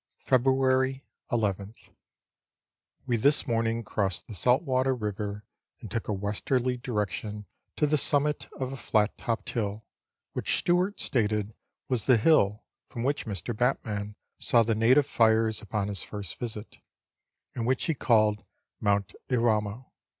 February llth. We this morning crossed the Saltwater River, and took a westerly direction to the summit of a flat topped hill, which Stewart stated was the hill from which Mr. Batman saw the native fires upon his first visit, and which he called Mount Iramo.